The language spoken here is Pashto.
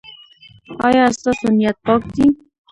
ایا ستاسو نیت پاک دی؟